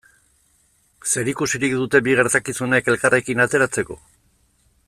Zer ikusirik dute bi gertakizunek elkarrekin ateratzeko?